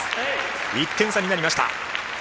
１点差になりました。